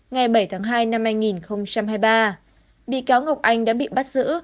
ngày bảy tháng hai năm hai nghìn hai mươi ba bị cáo ngọc anh đã bị bắt giữ